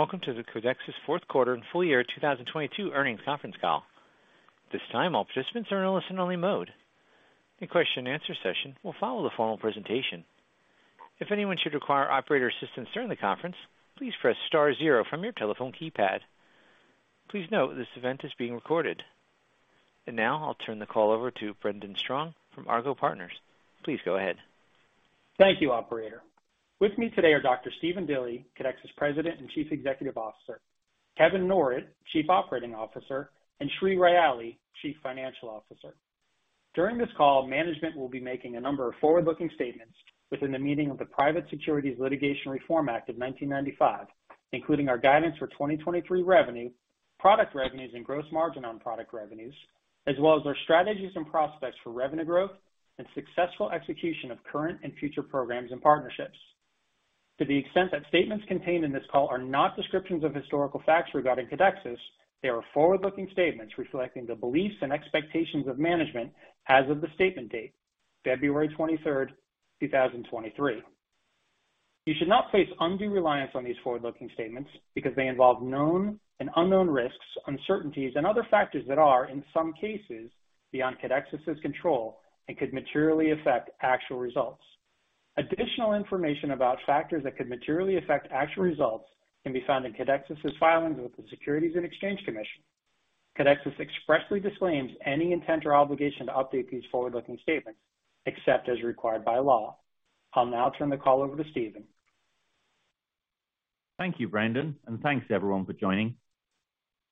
Welcome to the Codexis Fourth Quarter and Full Year 2022 Earnings Conference Call. This time, all participants are in listen only mode. The question and answer session will follow the formal presentation. If anyone should require operator assistance during the conference, please press star zero from your telephone keypad. Please note this event is being recorded. Now I'll turn the call over to Brendan Strong from Argot Partners. Please go ahead. Thank you, operator. With me today are Dr. Stephen Dilly, Codexis President and Chief Executive Officer, Kevin Norrett, Chief Operating Officer, and Sri Ryali, Chief Financial Officer. During this call, management will be making a number of forward-looking statements within the meaning of the Private Securities Litigation Reform Act of 1995, including our guidance for 2023 revenue, product revenues, and gross margin on product revenues, as well as our strategies and prospects for revenue growth and successful execution of current and future programs and partnerships. To the extent that statements contained in this call are not descriptions of historical facts regarding Codexis, they are forward-looking statements reflecting the beliefs and expectations of management as of the statement date, February 23, 2023. You should not place undue reliance on these forward-looking statements because they involve known and unknown risks, uncertainties, and other factors that are, in some cases, beyond Codexis' control and could materially affect actual results. Additional information about factors that could materially affect actual results can be found in Codexis' filings with the Securities and Exchange Commission. Codexis expressly disclaims any intent or obligation to update these forward-looking statements except as required by law. I'll now turn the call over to Stephen. Thank you, Brandon, thanks everyone for joining.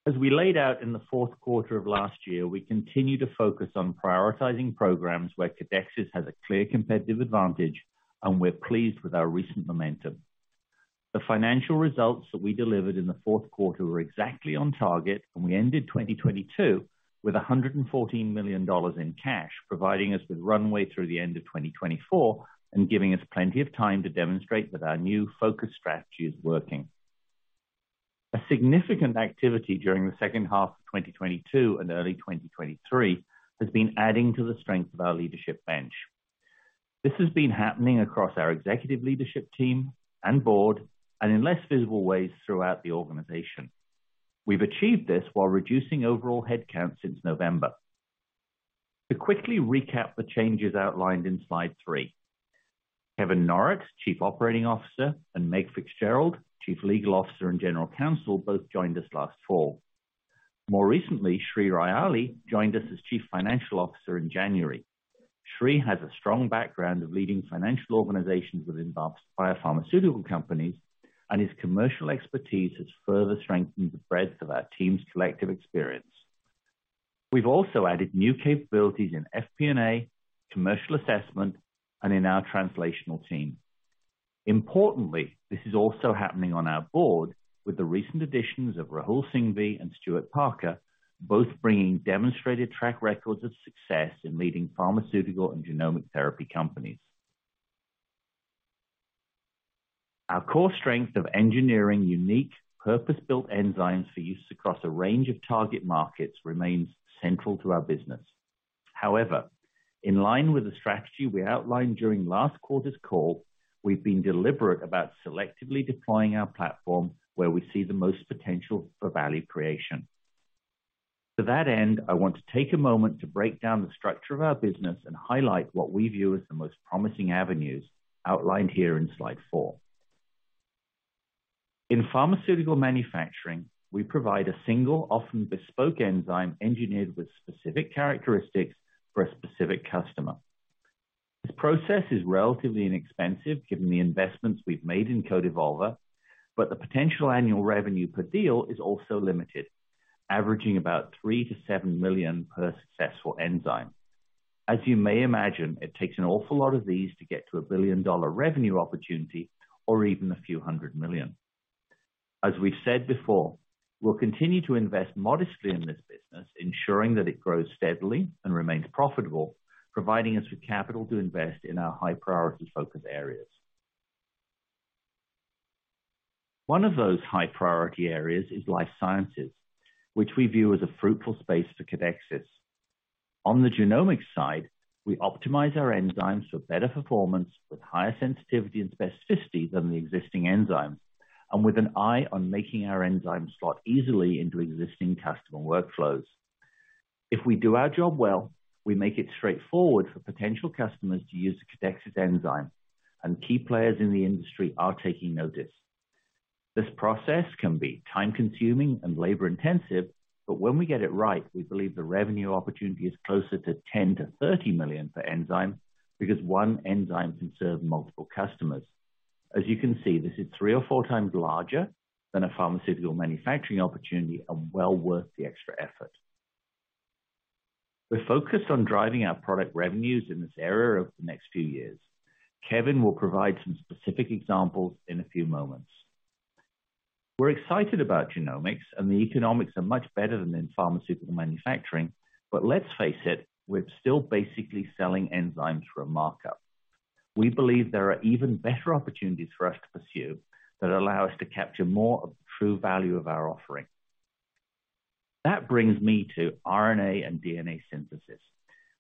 As we laid out in the fourth quarter of last year, we continue to focus on prioritizing programs where Codexis has a clear competitive advantage, and we're pleased with our recent momentum. The financial results that we delivered in the fourth quarter were exactly on target, and we ended 2022 with $114 million in cash, providing us with runway through the end of 2024 and giving us plenty of time to demonstrate that our new focused strategy is working. A significant activity during the second half of 2022 and early 2023 has been adding to the strength of our leadership bench. This has been happening across our executive leadership team and board and in less visible ways throughout the organization. We've achieved this while reducing overall headcount since November. To quickly recap the changes outlined in slide 3, Kevin Norrett, Chief Operating Officer, and Meg Fitzgerald, Chief Legal Officer and General Counsel, both joined us last fall. More recently, Sri Ryali joined us as Chief Financial Officer in January. His commercial expertise has further strengthened the breadth of our team's collective experience. We've also added new capabilities in FP&A, commercial assessment, and in our translational team. Importantly, this is also happening on our board with the recent additions of Rahul Singhvi and Stewart Parker, both bringing demonstrated track records of success in leading pharmaceutical and genomic therapy companies. Our core strength of engineering unique purpose-built enzymes for use across a range of target markets remains central to our business. In line with the strategy we outlined during last quarter's call, we've been deliberate about selectively deploying our platform where we see the most potential for value creation. To that end, I want to take a moment to break down the structure of our business and highlight what we view as the most promising avenues outlined here in slide 4. In pharmaceutical manufacturing, we provide a single, often bespoke enzyme engineered with specific characteristics for a specific customer. This process is relatively inexpensive given the investments we've made in CodeEvolver, but the potential annual revenue per deal is also limited, averaging about $3 million-$7 million per successful enzyme. As you may imagine, it takes an awful lot of these to get to a billion-dollar revenue opportunity or even a few hundred million. As we've said before, we'll continue to invest modestly in this business, ensuring that it grows steadily and remains profitable, providing us with capital to invest in our high priority focus areas. One of those high priority areas is life sciences, which we view as a fruitful space for Codexis. On the genomics side, we optimize our enzymes for better performance with higher sensitivity and specificity than the existing enzyme and with an eye on making our enzymes slot easily into existing customer workflows. If we do our job well, we make it straightforward for potential customers to use the Codexis enzyme, and key players in the industry are taking notice. This process can be time-consuming and labor-intensive, but when we get it right, we believe the revenue opportunity is closer to $10 million-$30 million per enzyme because one enzyme can serve multiple customers. As you can see, this is three or four times larger than a pharmaceutical manufacturing opportunity and well worth the extra effort. We're focused on driving our product revenues in this area over the next few years. Kevin will provide some specific examples in a few moments. We're excited about genomics and the economics are much better than in pharmaceutical manufacturing, but let's face it, we're still basically selling enzymes for a markup. We believe there are even better opportunities for us to pursue that allow us to capture more of the true value of our offering. That brings me to RNA and DNA synthesis,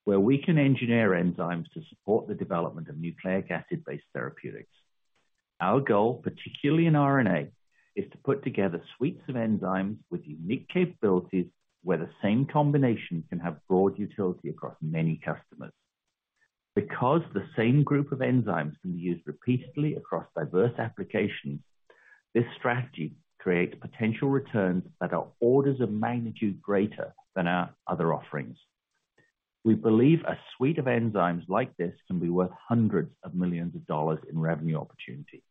where we can engineer enzymes to support the development of nucleic acid-based therapeutics. Our goal, particularly in RNA, is to put together suites of enzymes with unique capabilities, where the same combination can have broad utility across many customers. Because the same group of enzymes can be used repeatedly across diverse applications, this strategy creates potential returns that are orders of magnitude greater than our other offerings. We believe a suite of enzymes like this can be worth hundreds of millions of dollars in revenue opportunity.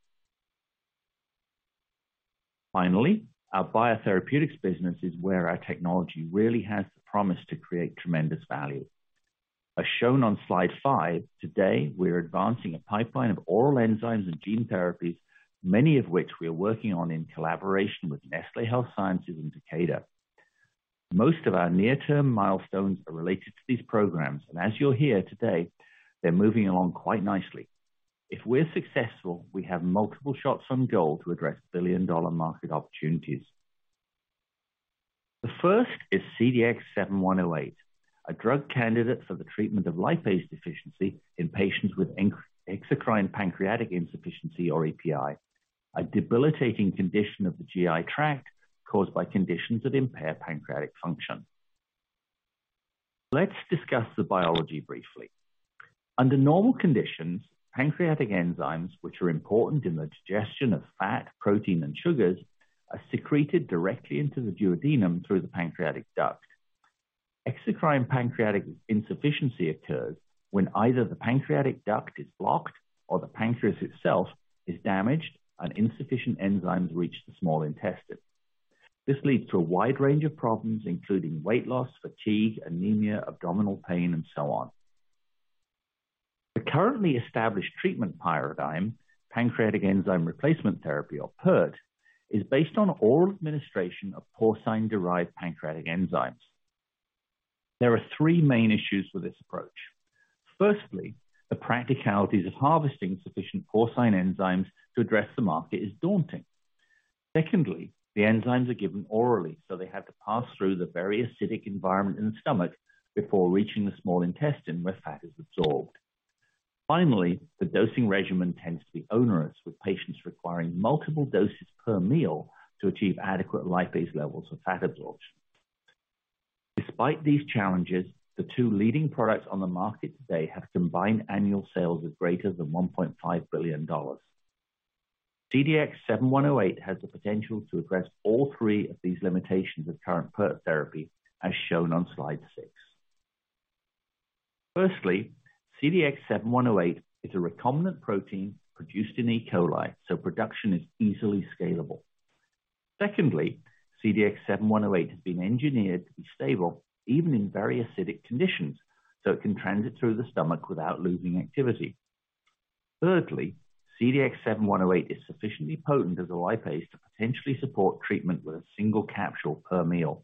Our biotherapeutics business is where our technology really has the promise to create tremendous value. As shown on slide 5, today we are advancing a pipeline of oral enzymes and gene therapies, many of which we are working on in collaboration with Nestlé Health Science and Takeda. Most of our near-term milestones are related to these programs, as you'll hear today, they're moving along quite nicely. If we're successful, we have multiple shots on goal to address billion-dollar market opportunities. The first is CDX-7108, a drug candidate for the treatment of lipase deficiency in patients with exocrine pancreatic insufficiency or EPI, a debilitating condition of the GI tract caused by conditions that impair pancreatic function. Let's discuss the biology briefly. Under normal conditions, pancreatic enzymes, which are important in the digestion of fat, protein, and sugars, are secreted directly into the duodenum through the pancreatic duct. Exocrine pancreatic insufficiency occurs when either the pancreatic duct is blocked or the pancreas itself is damaged and insufficient enzymes reach the small intestine. This leads to a wide range of problems, including weight loss, fatigue, anemia, abdominal pain, and so on. The currently established treatment paradigm, pancreatic enzyme replacement therapy, or PERT, is based on oral administration of porcine-derived pancreatic enzymes. There are three main issues with this approach. Firstly, the practicalities of harvesting sufficient porcine enzymes to address the market is daunting. Secondly, the enzymes are given orally, so they have to pass through the very acidic environment in the stomach before reaching the small intestine where fat is absorbed. Finally, the dosing regimen tends to be onerous, with patients requiring multiple doses per meal to achieve adequate lipase levels for fat absorption. Despite these challenges, the two leading products on the market today have combined annual sales of greater than $1.5 billion. CDX-7108 has the potential to address all three of these limitations of current PERT therapy, as shown on slide 6. Firstly, CDX-7108 is a recombinant protein produced in E. coli, so production is easily scalable. Secondly, CDX-7108 has been engineered to be stable even in very acidic conditions, so it can transit through the stomach without losing activity. Thirdly, CDX-7108 is sufficiently potent as a lipase to potentially support treatment with a single capsule per meal.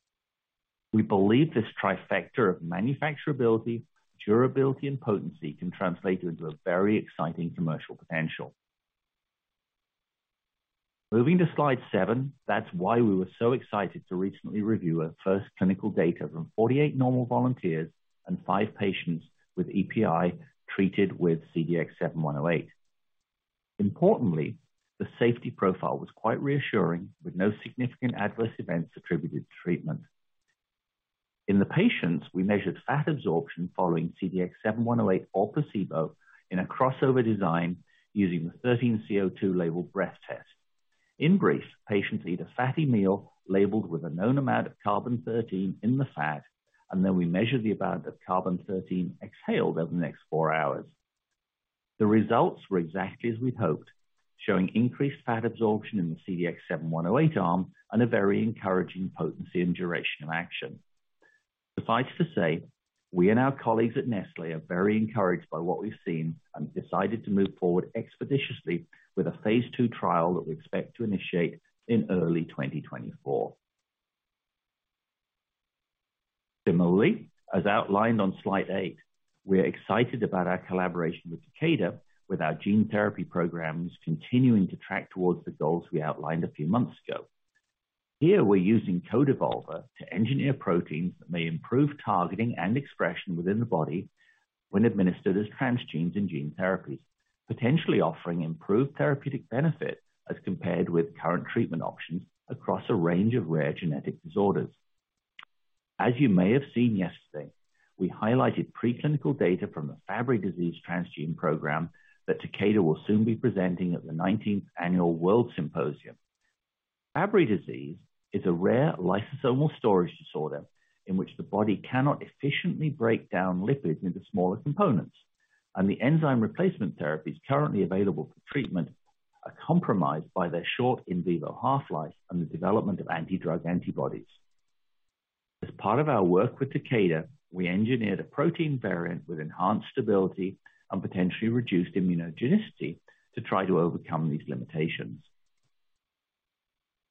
We believe this trifecta of manufacturability, durability, and potency can translate into a very exciting commercial potential. Moving to slide 7, that's why we were so excited to recently review our first clinical data from 48 normal volunteers and five patients with EPI treated with CDX-7108. Importantly, the safety profile was quite reassuring, with no significant adverse events attributed to treatment. In the patients, we measured fat absorption following CDX-7108 or placebo in a crossover design using the 13CO2 labeled breath test. In brief, patients eat a fatty meal labeled with a known amount of carbon-13 in the fat, and then we measure the amount of carbon-13 exhaled over the next four hours. The results were exactly as we'd hoped, showing increased fat absorption in the CDX-7108 arm and a very encouraging potency and duration of action. Suffice to say, we and our colleagues at Nestlé are very encouraged by what we've seen and decided to move forward expeditiously with a phase II trial that we expect to initiate in early 2024. Similarly, as outlined on slide 8, we are excited about our collaboration with Takeda, with our gene therapy programs continuing to track towards the goals we outlined a few months ago. Here we're using CodeEvolver to engineer proteins that may improve targeting and expression within the body when administered as transgenes in gene therapy, potentially offering improved therapeutic benefit as compared with current treatment options across a range of rare genetic disorders. As you may have seen yesterday, we highlighted preclinical data from a Fabry disease transgene program that Takeda will soon be presenting at the 19th Annual WORLDSymposium. Fabry disease is a rare lysosomal storage disorder in which the body cannot efficiently break down lipids into smaller components, and the enzyme replacement therapies currently available for treatment are compromised by their short in vivo half-life and the development of anti-drug antibodies. As part of our work with Takeda, we engineered a protein variant with enhanced stability and potentially reduced immunogenicity to try to overcome these limitations.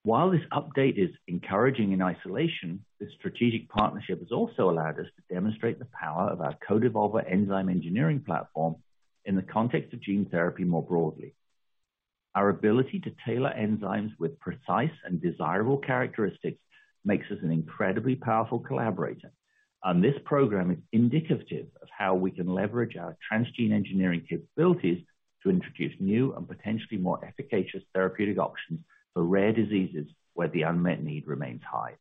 While this update is encouraging in isolation, this strategic partnership has also allowed us to demonstrate the power of our CodeEvolver enzyme engineering platform in the context of gene therapy more broadly. Our ability to tailor enzymes with precise and desirable characteristics makes us an incredibly powerful collaborator, and this program is indicative of how we can leverage our transgene engineering capabilities to introduce new and potentially more efficacious therapeutic options for rare diseases where the unmet need remains high.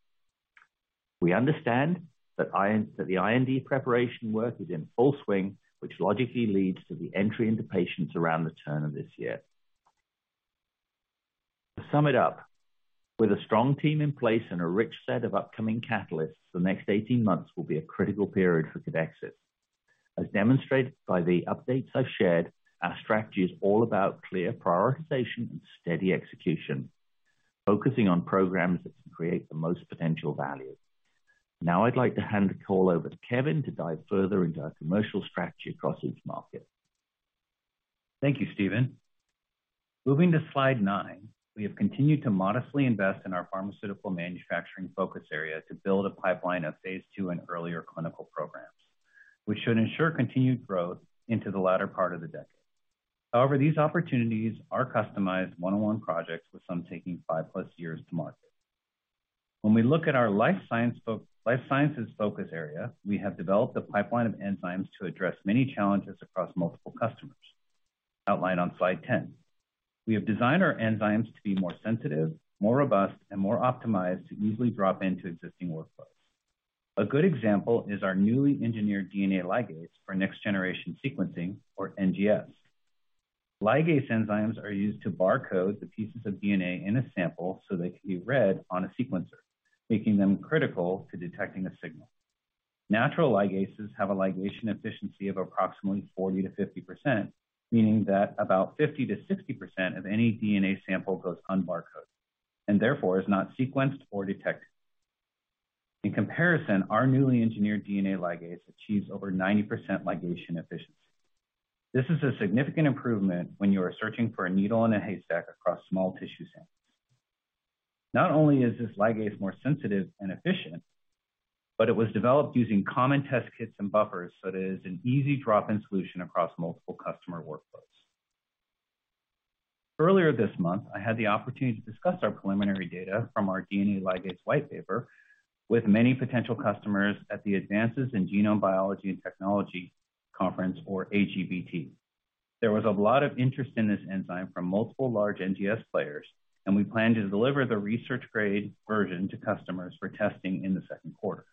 We understand that the IND preparation work is in full swing, which logically leads to the entry into patients around the turn of this year. To sum it up, with a strong team in place and a rich set of upcoming catalysts, the next 18 months will be a critical period for Codexis. As demonstrated by the updates I've shared, our strategy is all about clear prioritization and steady execution, focusing on programs that can create the most potential value. I'd like to hand the call over to Kevin to dive further into our commercial strategy across each market. Thank you, Stephen. Moving to slide 9, we have continued to modestly invest in our pharmaceutical manufacturing focus area to build a pipeline of phase II and earlier clinical programs, which should ensure continued growth into the latter part of the decade. These opportunities are customized one-on-one projects, with some taking 5+ years to market. When we look at our life sciences focus area, we have developed a pipeline of enzymes to address many challenges across multiple customers, outlined on slide 10. We have designed our enzymes to be more sensitive, more robust, and more optimized to easily drop into existing workflows. A good example is our newly engineered DNA ligase for next-generation sequencing, or NGS. Ligase enzymes are used to barcode the pieces of DNA in a sample so they can be read on a sequencer, making them critical to detecting a signal. Natural ligases have a ligation efficiency of approximately 40%-50%, meaning that about 50%-60% of any DNA sample goes unbarcoded, and therefore is not sequenced or detected. In comparison, our newly engineered DNA ligase achieves over 90% ligation efficiency. This is a significant improvement when you are searching for a needle in a haystack across small tissue samples. Not only is this ligase more sensitive and efficient, but it was developed using common test kits and buffers, so it is an easy drop-in solution across multiple customer workflows. Earlier this month, I had the opportunity to discuss our preliminary data from our DNA ligase white paper with many potential customers at the Advances in Genome Biology and Technology Conference, or AGBT. There was a lot of interest in this enzyme from multiple large NGS players, and we plan to deliver the research-grade version to customers for testing in the second quarter.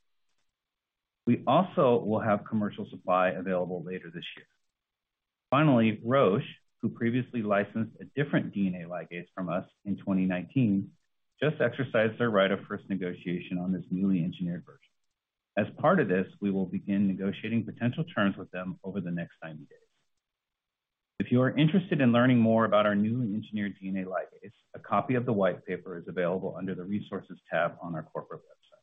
We also will have commercial supply available later this year. Roche, who previously licensed a different DNA ligase from us in 2019, just exercised their right of first negotiation on this newly engineered version. As part of this, we will begin negotiating potential terms with them over the next 90 days. If you are interested in learning more about our new engineered DNA ligase, a copy of the white paper is available under the Resources tab on our corporate website.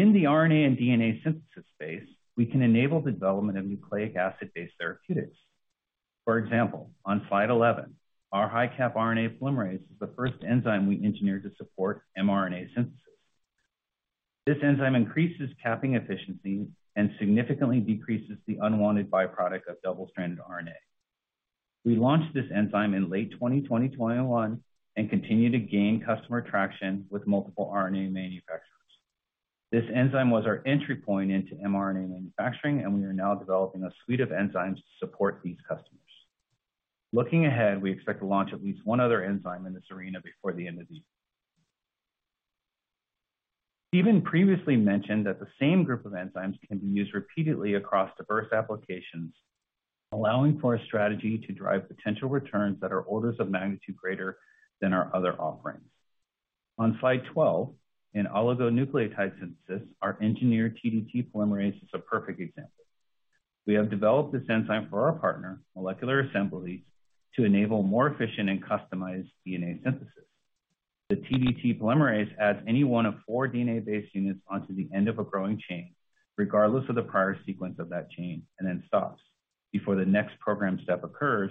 In the RNA and DNA synthesis space, we can enable the development of nucleic acid-based therapeutics. For example, on slide 11, our HiCap RNA Polymerase is the first enzyme we engineered to support mRNA synthesis. This enzyme increases capping efficiency and significantly decreases the unwanted byproduct of double-stranded RNA. We launched this enzyme in late 2020, 2021 and continue to gain customer traction with multiple RNA manufacturers. This enzyme was our entry point into mRNA manufacturing, and we are now developing a suite of enzymes to support these customers. Looking ahead, we expect to launch at least one other enzyme in this arena before the end of the year. Stephen previously mentioned that the same group of enzymes can be used repeatedly across diverse applications, allowing for a strategy to drive potential returns that are orders of magnitude greater than our other offerings. On slide 12, in oligonucleotide synthesis, our engineered TdT polymerase is a perfect example. We have developed this enzyme for our partner, Molecular Assemblies, to enable more efficient and customized DNA synthesis. The TdT polymerase adds any one of four DNA-based units onto the end of a growing chain, regardless of the prior sequence of that chain, and then stops before the next program step occurs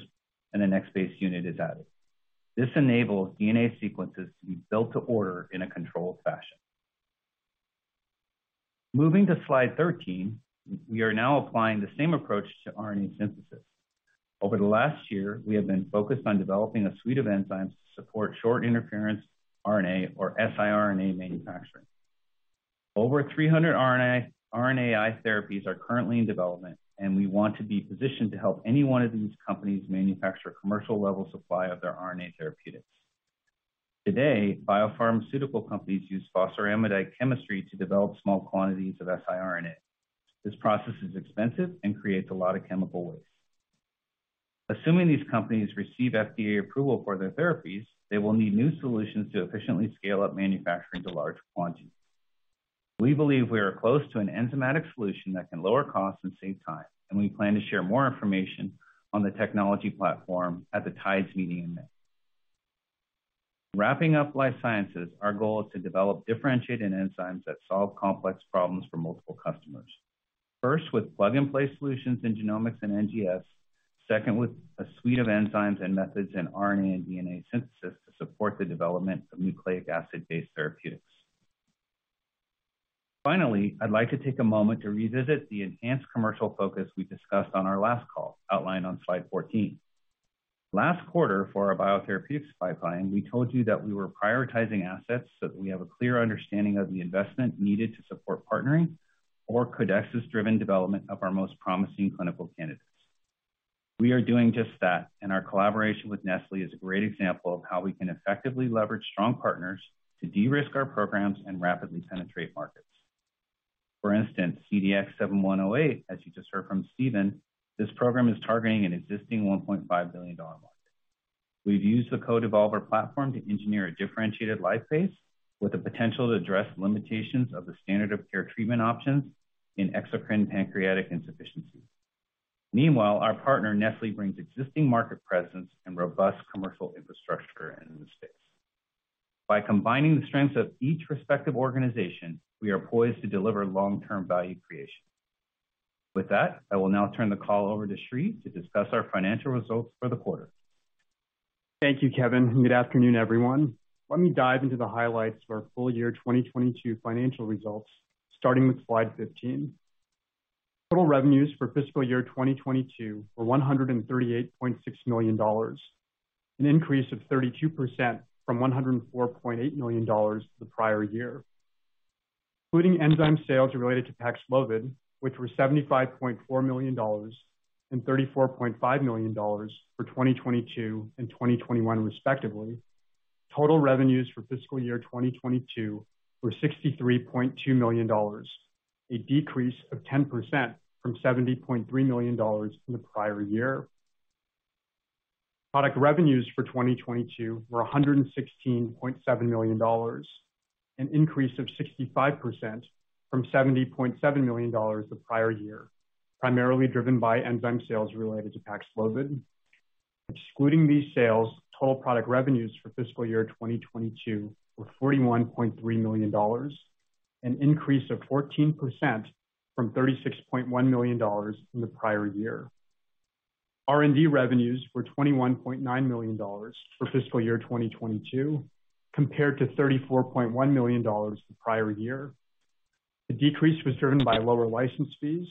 and the next base unit is added. This enables DNA sequences to be built to order in a controlled fashion. Moving to slide 13, we are now applying the same approach to RNA synthesis. Over the last year, we have been focused on developing a suite of enzymes to support short interference RNA or siRNA manufacturing. Over 300 RNAi therapies are currently in development, and we want to be positioned to help any one of these companies manufacture commercial-level supply of their RNA therapeutics. Today, biopharmaceutical companies use phosphoramidite chemistry to develop small quantities of siRNA. This process is expensive and creates a lot of chemical waste. Assuming these companies receive FDA approval for their therapies, they will need new solutions to efficiently scale up manufacturing to large quantities. We believe we are close to an enzymatic solution that can lower costs and save time, and we plan to share more information on the technology platform at the TIDES meeting in May. Wrapping up life sciences, our goal is to develop differentiated enzymes that solve complex problems for multiple customers. First, with plug-and-play solutions in genomics and NGS. Second, with a suite of enzymes and methods in RNA and DNA synthesis to support the development of nucleic acid-based therapeutics. I'd like to take a moment to revisit the enhanced commercial focus we discussed on our last call, outlined on slide 14. Last quarter for our biotherapeutics pipeline, we told you that we were prioritizing assets so that we have a clear understanding of the investment needed to support partnering or Codexis-driven development of our most promising clinical candidates. We are doing just that. Our collaboration with Nestlé is a great example of how we can effectively leverage strong partners to de-risk our programs and rapidly penetrate markets. For instance, CDX-7108, as you just heard from Stephen, this program is targeting an existing $1.5 billion market. We've used the CodeEvolver platform to engineer a differentiated lipase with the potential to address limitations of the standard of care treatment options in exocrine pancreatic insufficiency. Meanwhile, our partner, Nestlé, brings existing market presence and robust commercial infrastructure in the space. By combining the strengths of each respective organization, we are poised to deliver long-term value creation. With that, I will now turn the call over to Sri to discuss our financial results for the quarter. Thank you, Kevin. Good afternoon, everyone. Let me dive into the highlights of our full year 2022 financial results, starting with slide 15. Total revenues for fiscal year 2022 were $138.6 million, an increase of 32% from $104.8 million the prior year. Including enzyme sales related to PAXLOVID, which were $75.4 million and $34.5 million for 2022 and 2021 respectively. Total revenues for fiscal year 2022 were $63.2 million, a decrease of 10% from $70.3 million the prior year. Product revenues for 2022 were $116.7 million, an increase of 65% from $70.7 million the prior year, primarily driven by enzyme sales related to PAXLOVID. Excluding these sales, total product revenues for fiscal year 2022 were $41.3 million, an increase of 14% from $36.1 million in the prior year. R&D revenues were $21.9 million for fiscal year 2022 compared to $34.1 million the prior year. The decrease was driven by lower license fees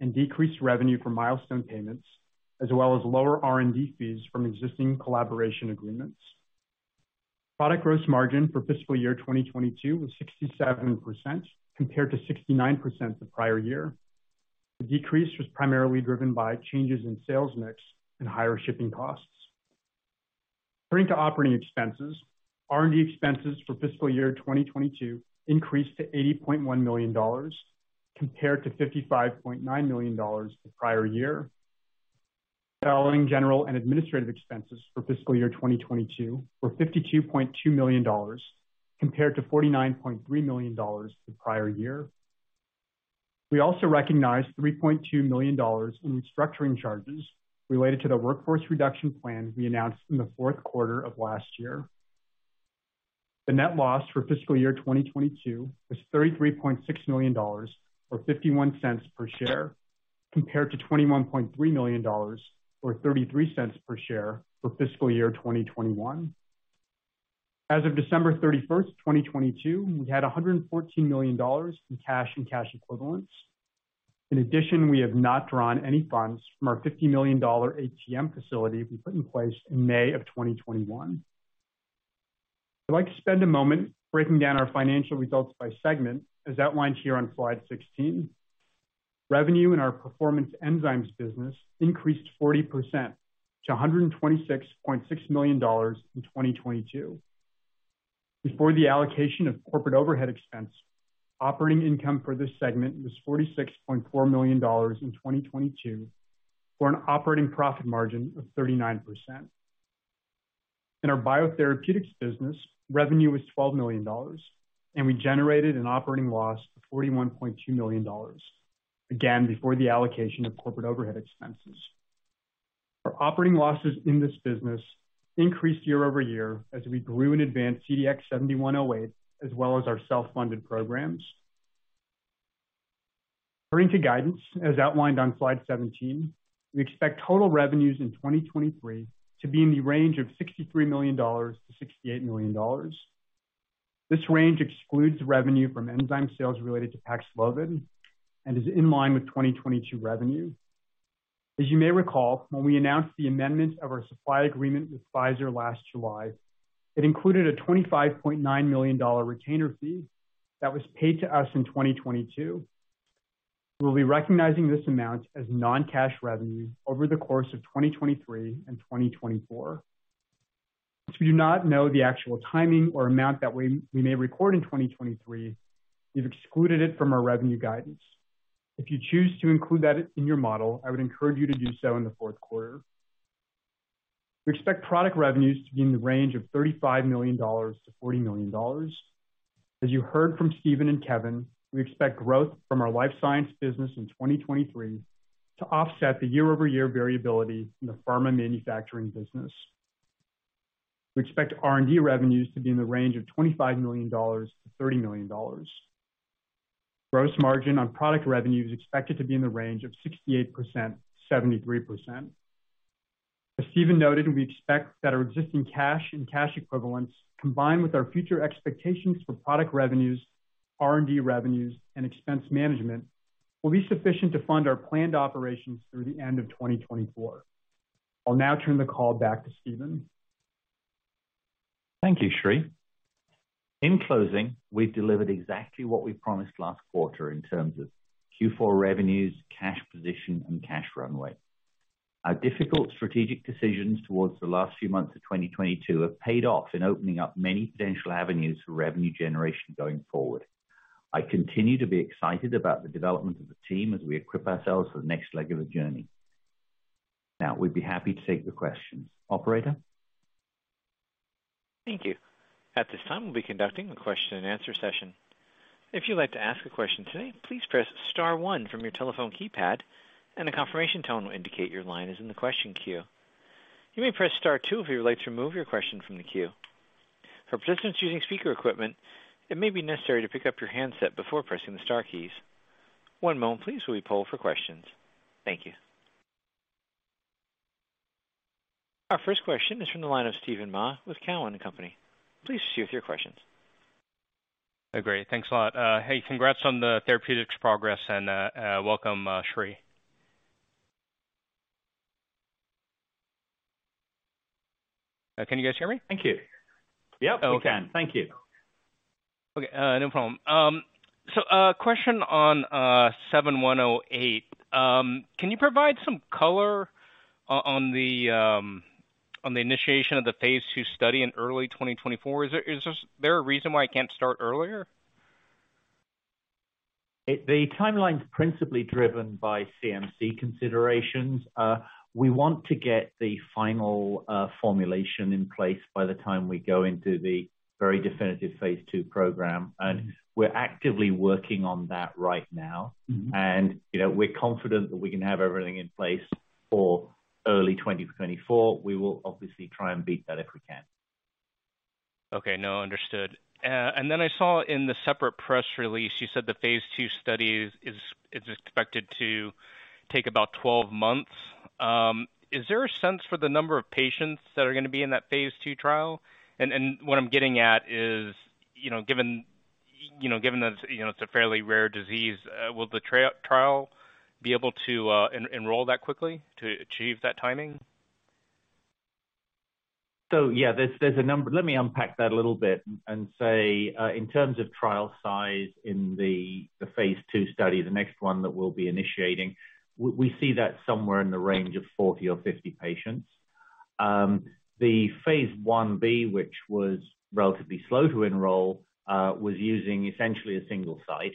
and decreased revenue from milestone payments, as well as lower R&D fees from existing collaboration agreements. Product gross margin for fiscal year 2022 was 67% compared to 69% the prior year. The decrease was primarily driven by changes in sales mix and higher shipping costs. Turning to operating expenses, R&D expenses for fiscal year 2022 increased to $80.1 million compared to $55.9 million the prior year. Selling, general and administrative expenses for fiscal year 2022 were $52.2 million compared to $49.3 million the prior year. We also recognized $3.2 million in restructuring charges related to the workforce reduction plan we announced in the fourth quarter of last year. The net loss for fiscal year 2022 was $33.6 million or $0.51 per share, compared to $21.3 million or $0.33 per share for fiscal year 2021. As of December 31, 2022, we had $114 million in cash and cash equivalents. In addition, we have not drawn any funds from our $50 million ATM facility we put in place in May of 2021. I'd like to spend a moment breaking down our financial results by segment, as outlined here on slide 16. Revenue in our performance enzymes business increased 40% to $126.6 million in 2022. Before the allocation of corporate overhead expense, operating income for this segment was $46.4 million in 2022 for an operating profit margin of 39%. In our biotherapeutics business, revenue was $12 million, and we generated an operating loss of $41.2 million, again, before the allocation of corporate overhead expenses. Our operating losses in this business increased year-over-year as we grew in advanced CDX-7108, as well as our self-funded programs. Turning to guidance, as outlined on slide 17, we expect total revenues in 2023 to be in the range of $63 million-$68 million. This range excludes revenue from enzyme sales related to PAXLOVID and is in line with 2022 revenue. As you may recall, when we announced the amendment of our supply agreement with Pfizer last July, it included a $25.9 million retainer fee that was paid to us in 2022. We'll be recognizing this amount as non-cash revenue over the course of 2023 and 2024. Since we do not know the actual timing or amount that we may record in 2023, we've excluded it from our revenue guidance. If you choose to include that in your model, I would encourage you to do so in the fourth quarter. We expect product revenues to be in the range of $35 million-$40 million. As you heard from Stephen and Kevin, we expect growth from our life science business in 2023 to offset the year-over-year variability in the pharma manufacturing business. We expect R&D revenues to be in the range of $25 million-$30 million. Gross margin on product revenue is expected to be in the range of 68%-73%. As Stephen noted, we expect that our existing cash and cash equivalents, combined with our future expectations for product revenues, R&D revenues, and expense management, will be sufficient to fund our planned operations through the end of 2024. I'll now turn the call back to Stephen. Thank you, Sri. In closing, we've delivered exactly what we promised last quarter in terms of Q4 revenues, cash position and cash runway. Our difficult strategic decisions towards the last few months of 2022 have paid off in opening up many potential avenues for revenue generation going forward. I continue to be excited about the development of the team as we equip ourselves for the next leg of the journey. We'd be happy to take the questions. Operator? Thank you. At this time, we'll be conducting a question and answer session. If you'd like to ask a question today, please press star one from your telephone keypad and a confirmation tone will indicate your line is in the question queue. You may press star two if you would like to remove your question from the queue. For participants using speaker equipment, it may be necessary to pick up your handset before pressing the star keys. One moment please, while we poll for questions. Thank you. Our first question is from the line of Steven Mah with Cowen and Company. Please share with your questions. Great. Thanks a lot. Hey, congrats on the therapeutics progress and, welcome, Sri. Can you guys hear me? Thank you. Yep, we can. Thank you. Okay, no problem. Question on CDX-7108. Can you provide some color on the initiation of the phase II study in early 2024? Is there a reason why it can't start earlier? The timeline is principally driven by CMC considerations. We want to get the final formulation in place by the time we go into the very definitive phase II program. We're actively working on that right now. Mm-hmm. You know, we're confident that we can have everything in place for early 2024. We will obviously try and beat that if we can. Okay. No, understood. Then I saw in the separate press release you said the phase II study is expected to take about 12 months. Is there a sense for the number of patients that are gonna be in that phase II trial? What I'm getting at is, you know, given, you know, given that, you know, it's a fairly rare disease, will the trial be able to enroll that quickly to achieve that timing? Yeah, there's a number. Let me unpack that a little bit and say, in terms of trial size in the phase II study, the next one that we'll be initiating, we see that somewhere in the range of 40 or 50 patients. The phase Ib, which was relatively slow to enroll, was using essentially a single site.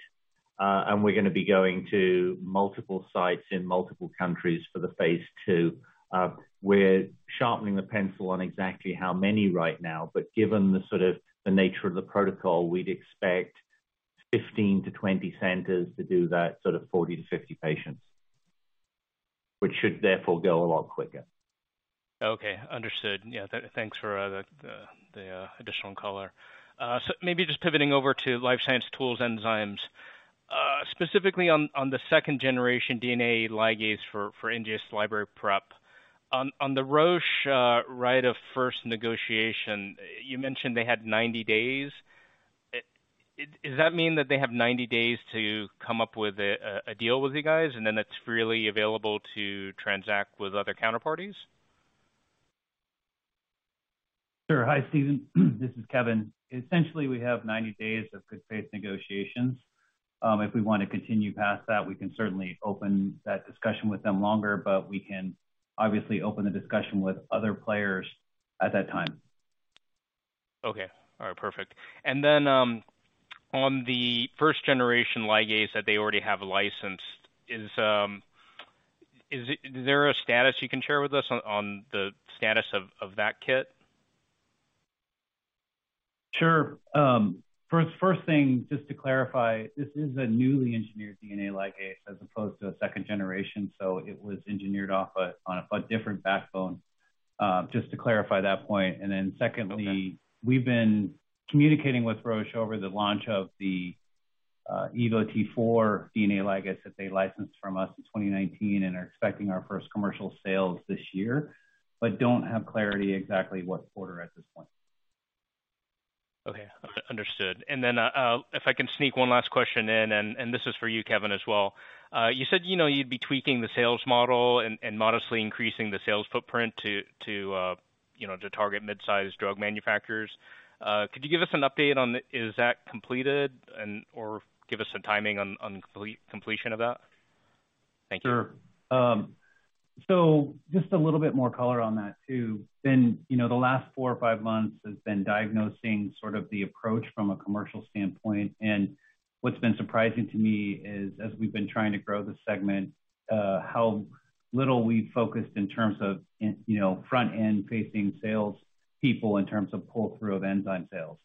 We're gonna be going to multiple sites in multiple countries for the phase II. We're sharpening the pencil on exactly how many right now, but given the sort of the nature of the protocol, we'd expect 15-20 centers to do that sort of 40-50 patients, which should therefore go a lot quicker. Understood. Thanks for the additional color. Maybe just pivoting over to life science tools enzymes, specifically on the second generation DNA ligase for NGS library prep. On the Roche right of first negotiation, you mentioned they had 90 days. Does that mean that they have 90 days to come up with a deal with you guys and then it's freely available to transact with other counterparties? Sure. Hi, Steven. This is Kevin. Essentially, we have 90 days of good faith negotiations. If we want to continue past that, we can certainly open that discussion with them longer, but we can obviously open the discussion with other players at that time. Okay. All right, perfect. On the first generation ligase that they already have licensed, is there a status you can share with us on the status of that kit? Sure. First thing, just to clarify, this is a newly engineered DNA ligase as opposed to a second generation, so it was engineered on a different backbone, just to clarify that point. Secondly- Okay. ...we've been communicating with Roche over the launch of the EvoT4 DNA ligase that they licensed from us in 2019 and are expecting our first commercial sales this year, but don't have clarity exactly what quarter at this point. Okay, understood. Then, if I can sneak one last question in, and this is for you, Kevin, as well. You said, you know, you'd be tweaking the sales model and modestly increasing the sales footprint to, you know, to target mid-sized drug manufacturers. Could you give us an update on is that completed and or give us some timing on completion of that? Thank you. Sure. Just a little bit more color on that too. You know, the last four or five months has been diagnosing sort of the approach from a commercial standpoint. What's been surprising to me is, as we've been trying to grow the segment, how little we focused in terms of, you know, front-end facing sales people in terms of pull through of enzyme sales.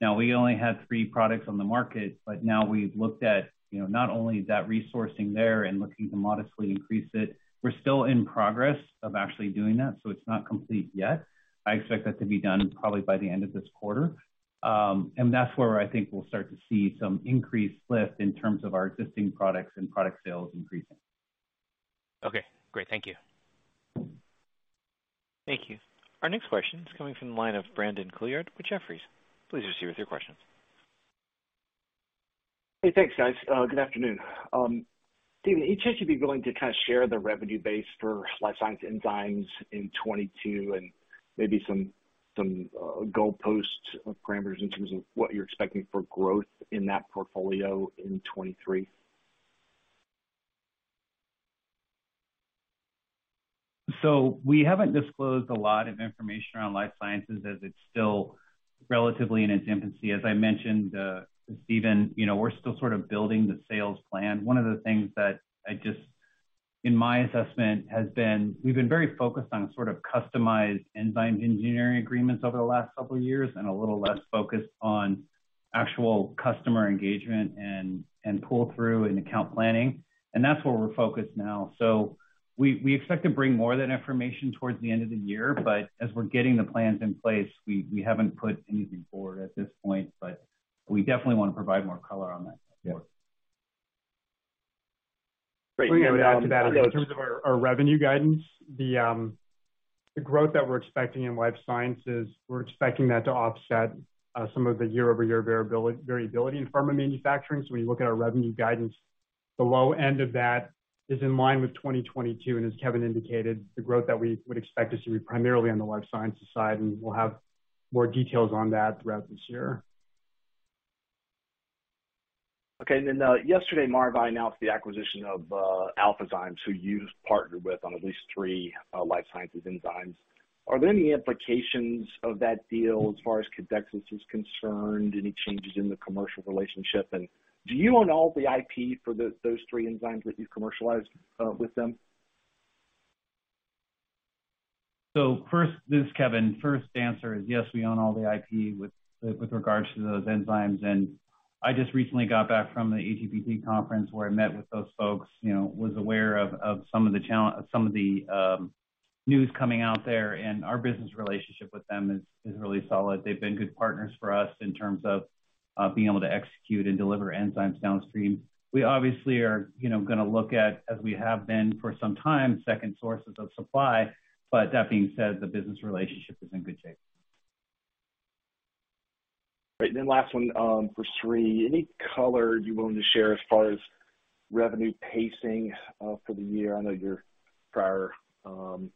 We only had three products on the market, but now we've looked at, you know, not only that resourcing there and looking to modestly increase it, we're still in progress of actually doing that, so it's not complete yet. I expect that to be done probably by the end of this quarter. That's where I think we'll start to see some increased lift in terms of our existing products and product sales increasing. Okay, great. Thank you. Thank you. Our next question is coming from the line of Brandon Couillard with Jefferies. Please proceed with your questions. Hey, thanks, guys. Good afternoon. Stephen, I hear you should be willing to kind of share the revenue base for life science enzymes in 2022 and maybe some goalposts or parameters in terms of what you're expecting for growth in that portfolio in 2023. We haven't disclosed a lot of information around life sciences as it's still relatively in its infancy. As I mentioned to Steven, you know, we're still sort of building the sales plan. One of the things that I just, in my assessment, has been we've been very focused on sort of customized enzyme engineering agreements over the last couple of years, and a little less focused on actual customer engagement and pull-through and account planning. That's where we're focused now. We expect to bring more of that information towards the end of the year, but as we're getting the plans in place, we haven't put anything forward at this point. We definitely want to provide more color on that. Yes. In terms of our revenue guidance, the growth that we're expecting in life sciences, we're expecting that to offset some of the year-over-year variability in pharma manufacturing. When you look at our revenue guidance, the low end of that is in line with 2022. As Kevin indicated, the growth that we would expect is to be primarily on the life sciences side, and we'll have more details on that throughout this year. Okay. Then, yesterday, Maravai announced the acquisition of Alphazyme, who you've partnered with on at least three life sciences enzymes. Are there any implications of that deal as far as Codexis is concerned? Any changes in the commercial relationship? Do you own all the IP for those three enzymes that you've commercialized with them? First, this is Kevin. First answer is yes, we own all the IP with regards to those enzymes. I just recently got back from the ATP conference where I met with those folks, you know, was aware of some of the news coming out there, and our business relationship with them is really solid. They've been good partners for us in terms of being able to execute and deliver enzymes downstream. We obviously are, you know, gonna look at, as we have been for some time, second sources of supply. That being said, the business relationship is in good shape. Great. Last one, for Sri. Any color you're willing to share as far as revenue pacing for the year? I know your prior CFO,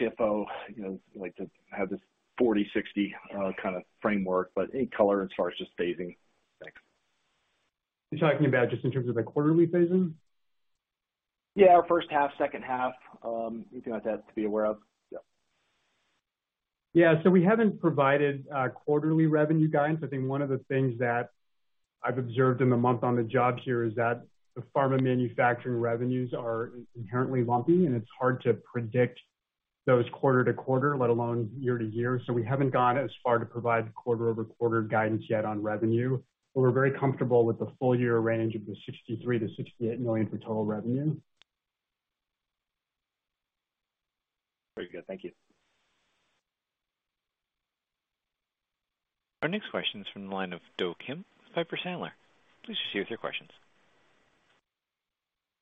you know, liked to have this 40/60 kind of framework, but any color as far as just phasing? Thanks. You talking about just in terms of the quarterly phasing? First half, second half, anything like that to be aware of? Yeah. We haven't provided quarterly revenue guidance. I think one of the things that I've observed in the month on the job here is that the pharma manufacturing revenues are inherently lumpy, and it's hard to predict those quarter to quarter, let alone year to year. We haven't gone as far to provide quarter-over-quarter guidance yet on revenue. We're very comfortable with the full year range of $63 million-$68 million for total revenue. Very good. Thank you. Our next question is from the line of Do Kim with Piper Sandler. Please proceed with your questions.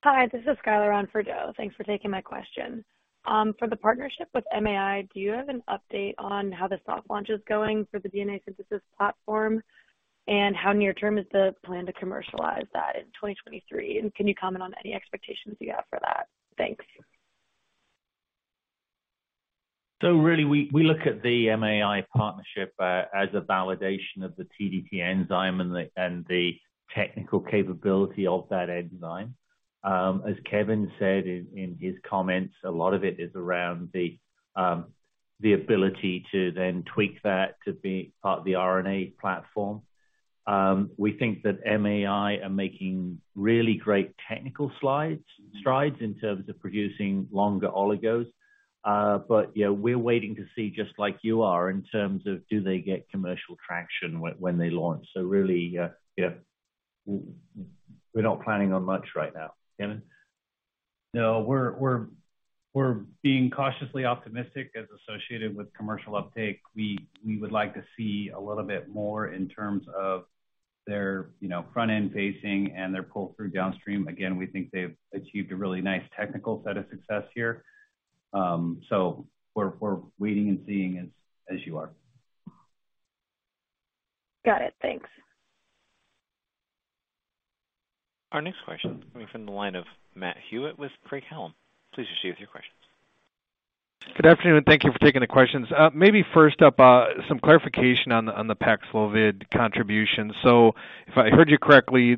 Hi, this is Skylar on for Do. Thanks for taking my question. For the partnership with MAI, do you have an update on how the soft launch is going for the DNA synthesis platform? How near-term is the plan to commercialize that in 2023? Can you comment on any expectations you have for that? Thanks. Really, we look at the MAI partnership as a validation of the TdT enzyme and the technical capability of that enzyme. As Kevin said in his comments, a lot of it is around the ability to then tweak that to be part of the RNA platform. We think that MAI are making really great technical strides in terms of producing longer oligos. Yeah, we're waiting to see, just like you are, in terms of do they get commercial traction when they launch. Really, yeah, we're not planning on much right now. Kevin? No, we're being cautiously optimistic as associated with commercial uptake. We would like to see a little bit more in terms of their, you know, front-end pacing and their pull-through downstream. Again, we think they've achieved a really nice technical set of success here. We're waiting and seeing as you are. Got it. Thanks. Our next question is coming from the line of Matt Hewitt with Craig-Hallum. Please proceed with your questions. Good afternoon. Thank you for taking the questions. maybe first up, some clarification on the, on the PAXLOVID contribution. If I heard you correctly,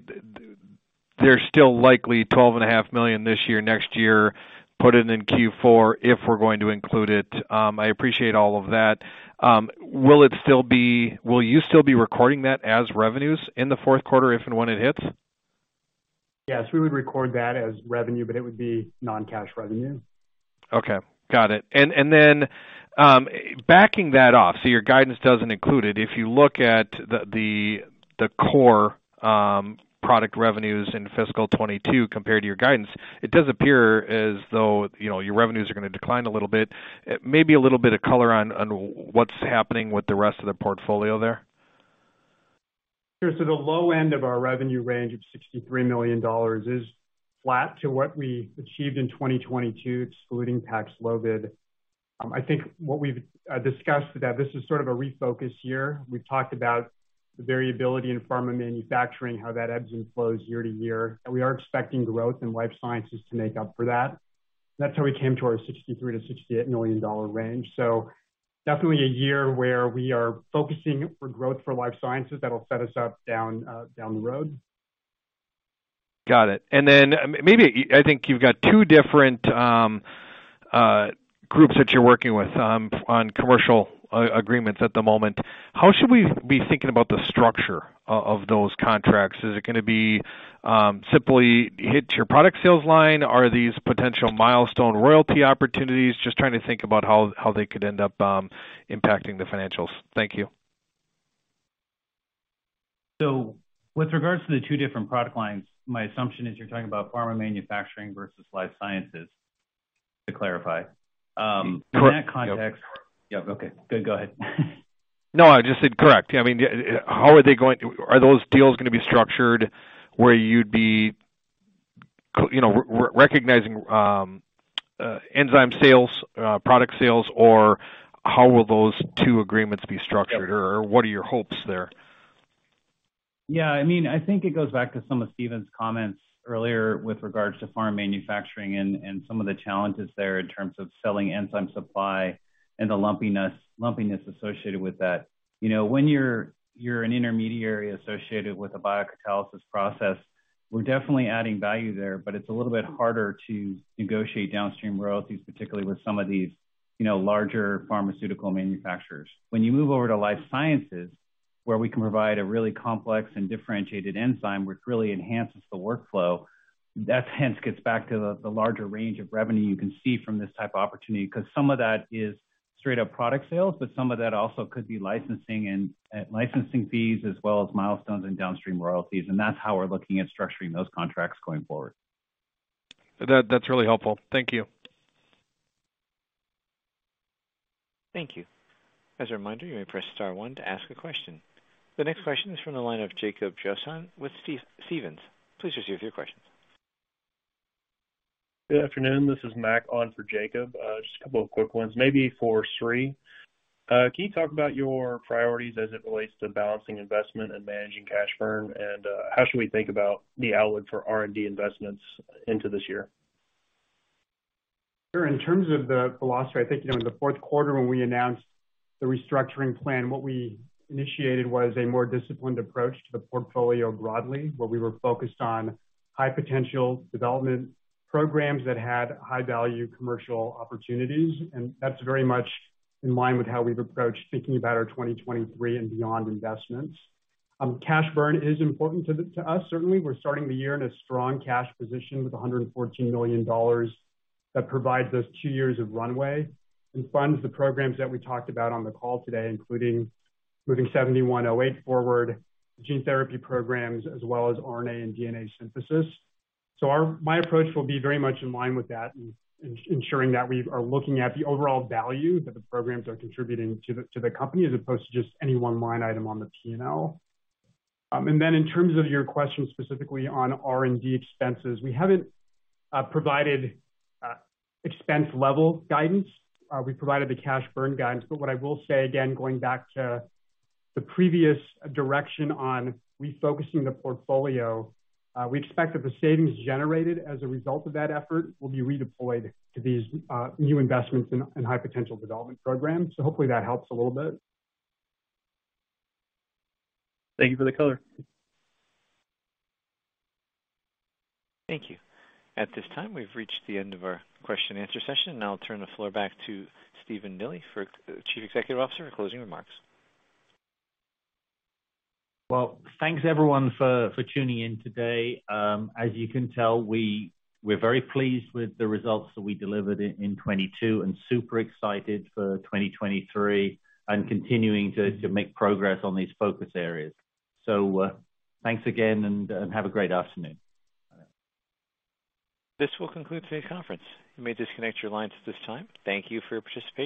there's still likely twelve and a half million dollars this year, next year, put it in Q4 if we're going to include it. I appreciate all of that. will you still be recording that as revenues in the fourth quarter if and when it hits? Yes, we would record that as revenue, but it would be non-cash revenue. Okay, got it. Then, backing that off, your guidance doesn't include it. If you look at the core, product revenues in fiscal 2022 compared to your guidance, it does appear as though, you know, your revenues are gonna decline a little bit. Maybe a little bit of color on what's happening with the rest of the portfolio there. Sure. The low end of our revenue range of $63 million is flat to what we achieved in 2022, excluding PAXLOVID. I think what we've discussed that this is sort of a refocus year. We've talked about the variability in pharma manufacturing, how that ebbs and flows year to year, and we are expecting growth in life sciences to make up for that. That's how we came to our $63 million-$68 million range. Definitely a year where we are focusing for growth for life sciences that'll set us up down the road. Got it. I think you've got two different groups that you're working with on commercial agreements at the moment. How should we be thinking about the structure of those contracts? Is it gonna be simply hit to your product sales line? Are these potential milestone royalty opportunities? Just trying to think about how they could end up impacting the financials. Thank you. With regards to the two different product lines, my assumption is you're talking about pharma manufacturing versus life sciences, to clarify. Correct. Yep. In that context. Yep. Okay, good. Go ahead. No, I just said correct. I mean, how are they going to? Are those deals gonna be structured where you'd be you know, recognizing enzyme sales, product sales? How will those two agreements be structured? Yep. What are your hopes there? Yeah, I mean, I think it goes back to some of Stephen's comments earlier with regards to pharma manufacturing and some of the challenges there in terms of selling enzyme supply and the lumpiness associated with that. You know, when you're an intermediary associated with a biocatalysis process, we're definitely adding value there, but it's a little bit harder to negotiate downstream royalties, particularly with some of these, you know, larger pharmaceutical manufacturers. When you move over to life sciences, where we can provide a really complex and differentiated enzyme, which really enhances the workflow, that hence gets back to the larger range of revenue you can see from this type of opportunity, 'cause some of that is straight up product sales, but some of that also could be licensing and licensing fees as well as milestones and downstream royalties. That's how we're looking at structuring those contracts going forward. That's really helpful. Thank you. Thank you. As a reminder, you may press star one to ask a question. The next question is from the line of Jacob Johnson with Stephens. Please receive your questions. Good afternoon. This is Mac on for Jacob. Just a couple of quick ones, maybe for Sri. Can you talk about your priorities as it relates to balancing investment and managing cash burn? How should we think about the outlook for R&D investments into this year? Sure. In terms of the philosophy, I think, you know, in the fourth quarter when we announced the restructuring plan, what we initiated was a more disciplined approach to the portfolio broadly, where we were focused on high potential development programs that had high value commercial opportunities. That's very much in line with how we've approached thinking about our 2023 and beyond investments. Cash burn is important to us. Certainly, we're starting the year in a strong cash position with $114 million that provides us two years of runway and funds the programs that we talked about on the call today, including moving 7108 forward, gene therapy programs, as well as RNA and DNA synthesis. My approach will be very much in line with that in ensuring that we are looking at the overall value that the programs are contributing to the company, as opposed to just any one line item on the P&L. Then in terms of your question specifically on R&D expenses, we haven't provided expense level guidance. We provided the cash burn guidance. What I will say, again, going back to the previous direction on refocusing the portfolio, we expect that the savings generated as a result of that effort will be redeployed to these new investments in high potential development programs. Hopefully that helps a little bit. Thank you for the color. Thank you. At this time, we've reached the end of our question and answer session. I'll turn the floor back to Stephen Dilly for chief executive officer closing remarks. Well, thanks everyone for tuning in today. As you can tell, we're very pleased with the results that we delivered in 2022 and super excited for 2023 and continuing to make progress on these focus areas. Thanks again and have a great afternoon. This will conclude today's conference. You may disconnect your lines at this time. Thank you for participating.